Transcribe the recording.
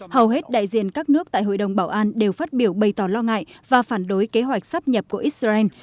hầu hết đại diện các nước tại hội đồng bảo an đều phát biểu bày tỏ lo ngại và phản đối kế hoạch sắp nhập của israel